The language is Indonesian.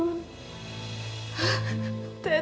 maafkan teteh yuyun